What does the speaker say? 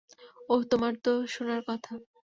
ওহ, তোমার তো শুনার কথা।